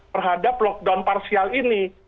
terhadap lockdown parsial ini